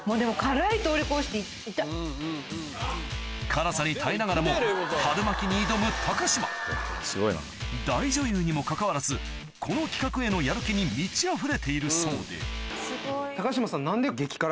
辛さに耐えながらも春巻きに挑む高島大女優にもかかわらずこの企画へのやる気に満ちあふれているそうで高島さん。